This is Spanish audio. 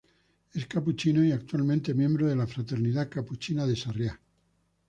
Es capuchino y actualmente miembro de la Fraternidad Capuchina de Sarriá.